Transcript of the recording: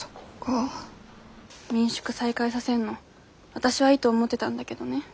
民宿再開させんの私はいいと思ってたんだけどね。